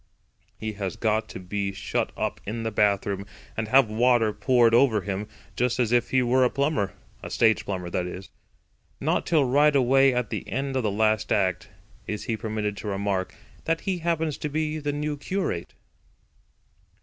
He has got to be shut up in the bath room and have water poured over him, just as if he were a plumber—a stage plumber, that is. Not till right away at the end of the last act is he permitted to remark that he happens to be the new curate.